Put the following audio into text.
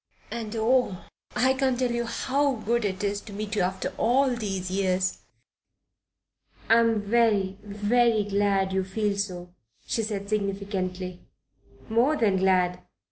"And oh! I can't tell you how good it is to meet you after all these years." "I'm very, very glad you feel so," she said significantly. "More than glad.